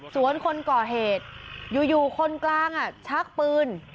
คนก่อเหตุอยู่คนกลางชักปืน